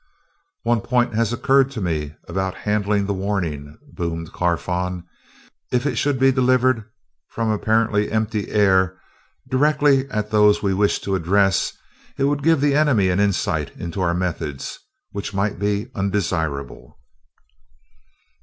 "One point has occurred to me about handling the warning," boomed Carfon. "If it should be delivered from apparently empty air, directly at those we wish to address, it would give the enemy an insight into our methods, which might be undesirable."